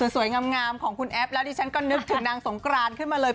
สวยงามของคุณแอฟแล้วดิฉันก็นึกถึงนางสงกรานขึ้นมาเลย